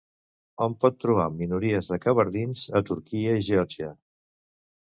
Hom pot trobar minories de kabardins a Turquia i Geòrgia.